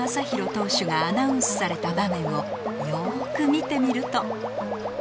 投手がアナウンスされた場面をよく見てみると